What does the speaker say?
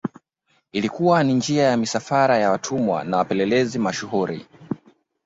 Ilikuwa ni njia ya misafara ya watumwa na wapelelezi mashuhuri